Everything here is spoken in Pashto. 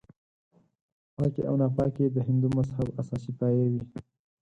پاکي او ناپاکي د هندو مذهب اساسي پایې وې.